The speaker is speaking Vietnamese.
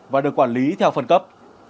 và được quản lý theo phần cấp